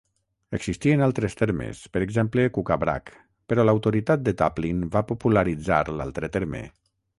Existien altres termes, per exemple, "Kukabrak", però l'autoritat de Taplin va popularitzar l'altre terme.